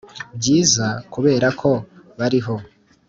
byiza. kuberako bariho.